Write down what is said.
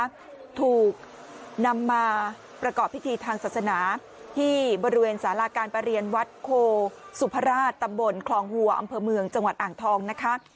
ถูกนำมาประกอบพิธีทางศาสนาที่บริเวณสาราการประเรียนวัดโคสุพราชตำบลคลองหัวอำเภอเมืองจังหวัดอ่างทองนะคะ